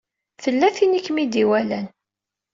Tella tin i kem-id-iwalan.